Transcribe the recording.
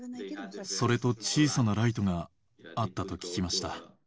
それと小さなライトがあったと聞きました。